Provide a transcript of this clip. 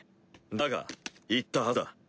だが言ったはずだ。